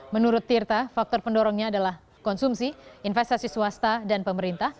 menurut tirta faktor pendorongnya adalah konsumsi investasi swasta dan pemerintah